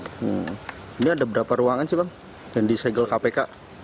ini ada berapa ruangan sih bang yang disegel kpk